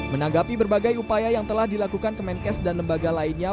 menanggapi berbagai upaya yang telah dilakukan kemenkes dan lembaga lainnya